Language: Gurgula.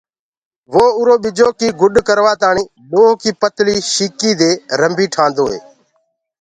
وو اُرو ٻجو ڪي گُڏ ڪروآ تآڻي لوهڪي پتݪي شيڪي دي رنڀي ٺآندوئي۔